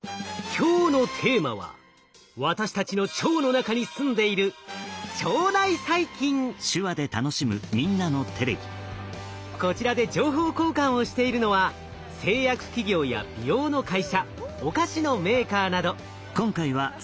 今日のテーマは私たちの腸の中に住んでいるこちらで情報交換をしているのは製薬企業や美容の会社お菓子のメーカーなど。